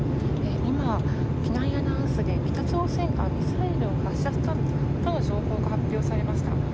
今、機内アナウンスで北朝鮮がミサイルを発射したとの情報が発表されました。